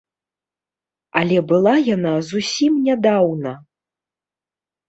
Але была яна зусім нядаўна.